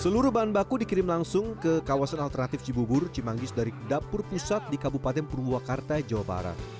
seluruh bahan baku dikirim langsung ke kawasan alternatif cibubur cimanggis dari dapur pusat di kabupaten purwakarta jawa barat